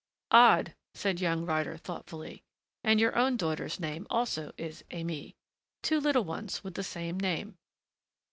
"Odd," said young Ryder thoughtfully. "And your own daughter's name, also, is Aimée.... Two little ones with the same name."